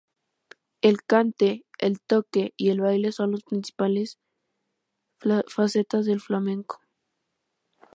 El cante, el toque y el baile son las principales facetas del flamenco.